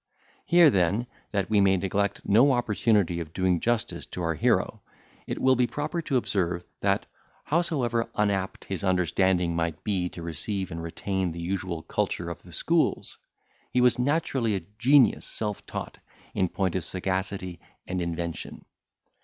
Here, then, that we may neglect no opportunity of doing justice to our hero, it will be proper to observe, that, howsoever unapt his understanding might be to receive and retain the usual culture of the schools, he was naturally a genius self taught, in point of sagacity and invention.